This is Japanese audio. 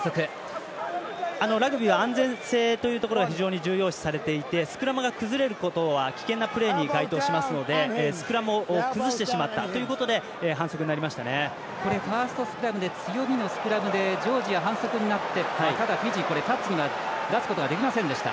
ラグビーは安全性というところを非常に重要視していてスクラムが崩れることは危険なプレーに該当しますのでスクラムを崩してしまったファーストスクラム強みのスクラムでジョージア、反則になってただ、フィジーはタッチには出すことができませんでした。